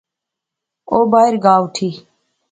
او باہر گا اوٹھی